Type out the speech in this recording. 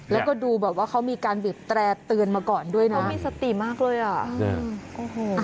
แล้วก็ดูบอกว่าเขามีการหวิบแตรตือนมาก่อนด้วยนะเขามีสติมากเลยอ่ะ